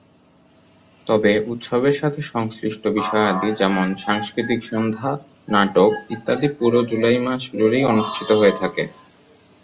তবে উৎসবের সাথে সংশ্লিষ্ট বিষয়াদি যেমন: সাংস্কৃতিক সন্ধ্যা, নাটক ইত্যাদি পুরো জুলাই মাস জুড়েই অনুষ্ঠিত হয়ে থাকে।